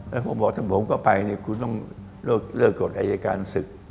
แล้วผมบอกถ้าผมก็ไปเนี่ยคุณต้องเลิกกฎอายการศึก